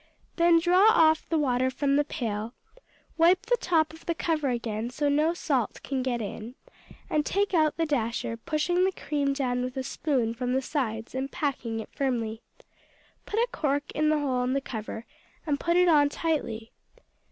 Then draw off the water from the pail, wipe the top of the cover again, so no salt can get in, and take out the dasher, pushing the cream down with a spoon from the sides and packing it firmly. Put a cork in the hole in the cover, and put it on tightly.